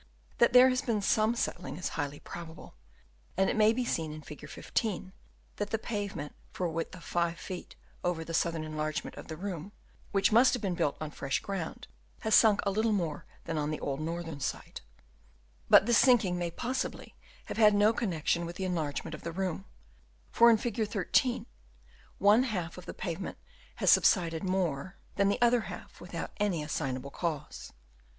That there has been some settling is highly probable, and it may be seen in Fig. 15 that the pavement for a width of 5 feet over the southern enlargement of the room, which must have been built on fresh ground, has sunk a little more than on the old northern side. But this sinking may possibly have had no connection with the enlargement of the room; for in Fig. 13 one half of the pavement has subsided more 218 BUKIAL OF THE EEMAINS Chap. IV. o a Chap. IV. OF ANCIENT BUILDINGS. 219 than the other half without any assignable cause.